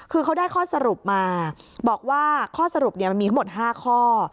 คือเขาได้ข้อสรุปมาบอกว่าข้อสรุปมันมีทั้งหมด๕ข้อ